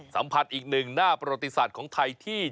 สัมผัสอีกหนึ่งหน้าประวัติศาสตร์ของไทยที่